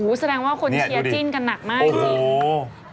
แสดงว่าคนเชียร์จิ้นกันหนักมากจริง